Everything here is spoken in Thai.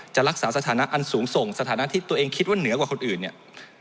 จะรักษาสถานะอันสูงส่งสถานะที่ตัวเองคิดว่าเหนือกว่าคนอื่นเนี่ย